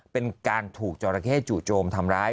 เป็นการถูกจอราเข้จู่โจมทำร้าย